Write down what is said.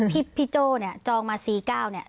พี่โจ้เนี่ยจองมา๔๙เนี่ย